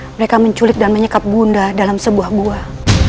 mereka menculik dan menyekap bunda dalam sebuah buah